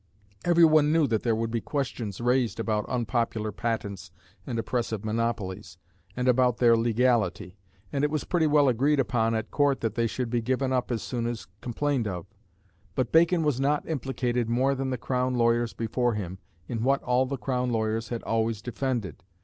Every one knew that there would be questions raised about unpopular patents and oppressive monopolies, and about their legality; and it was pretty well agreed upon at Court that they should be given up as soon as complained of. But Bacon was not implicated more than the Crown lawyers before him, in what all the Crown lawyers had always defended.